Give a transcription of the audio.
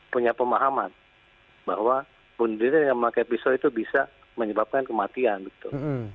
punya pemahaman bahwa bunuh diri dengan memakai pisau itu bisa menyebabkan kematian gitu